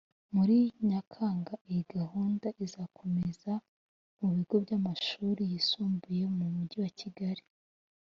muri Nyakanga iyi gahunda izakomereza mu bigo by’amashuri yisumbuye mu mujyi wa Kigali